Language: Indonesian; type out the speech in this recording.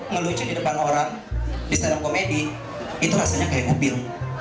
ngelucut di depan orang di stand up komedi itu rasanya kayak kubil